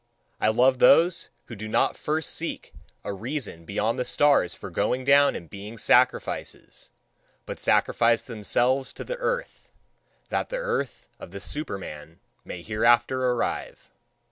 I love those who do not first seek a reason beyond the stars for going down and being sacrifices, but sacrifice themselves to the earth, that the earth of the Superman may hereafter arrive.